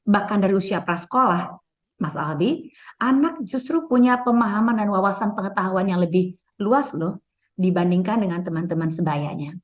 bahkan dari usia prasekolah mas albi anak justru punya pemahaman dan wawasan pengetahuan yang lebih luas loh dibandingkan dengan teman teman sebayanya